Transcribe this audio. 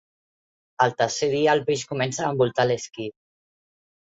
Al tercer dia, el peix comença a envoltar l'esquif.